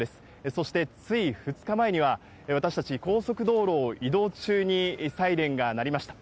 そしてつい２日前には、私たち、高速道路を移動中にサイレンが鳴りました。